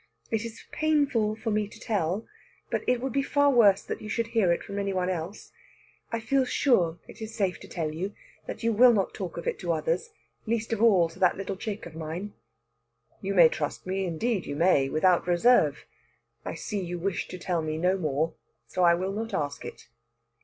It is painful to me to tell, but it would be far worse that you should hear it from any one else. I feel sure it is safe to tell you; that you will not talk of it to others least of all to that little chick of mine." "You may trust me indeed, you may without reserve. I see you wish to tell me no more, so I will not ask it."